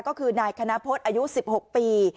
ก็คือนายคณพฤษอายุ๑๖ปี